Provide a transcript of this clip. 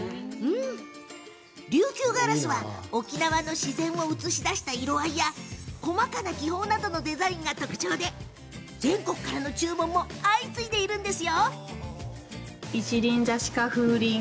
琉球ガラスは沖縄の自然を映し出した色合いや細かな気泡などのデザインが特徴で全国から注文も相次いでいます。